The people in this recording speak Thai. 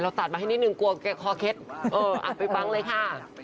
เราตัดมาให้นิดหนึ่งกลัวแก่คอเค็ตอัดไปบังเลยค่ะ